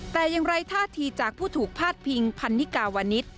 แต่ยังไงท่าทีจากผู้ถูกพาดพิงพันนิกาวณิต